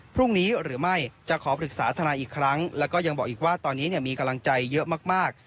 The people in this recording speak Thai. พรุ่งนี้หรือไม่จะขอปรึกษาทนายอีกครั้งแล้วก็ยังบอกอีกว่าตอนนี้มีกำลังใจเยอะมาก